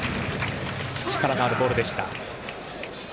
力のあるボールでした。